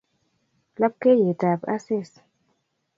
lapkeiyetap asis